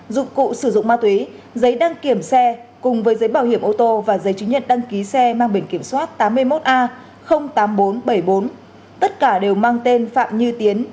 dụng cụ sử dụng ma túy giấy đăng kiểm xe cùng với giấy bảo hiểm ô tô và giấy chứng nhận đăng ký xe mang biển kiểm soát tám mươi một a tám nghìn bốn trăm bảy mươi bốn tất cả đều mang tên phạm như tiến